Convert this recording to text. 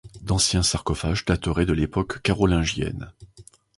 D'anciens sarcophages dateraient de l'époque carolingienne.